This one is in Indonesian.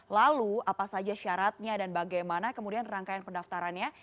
lalu apa saja syaratnya dan bagaimana kemudian rangkaian pendaftarannya